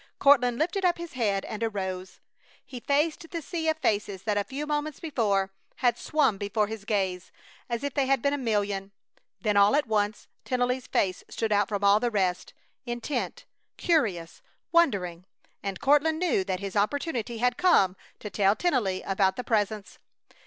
Courtland lifted up his head and arose. He faced the sea of faces that a few moments before had swum before his gaze as if they had been a million. Then all at once Tennelly's face stood out from all the rest, intent, curious, wondering, and Courtland knew that his opportunity had come to tell Tennelly about the Presence!